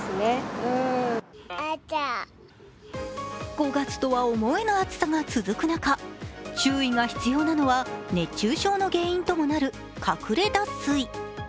５月とは思えぬ暑さが続く中、注意が必要なのは熱中症の原因ともなる隠れ脱水。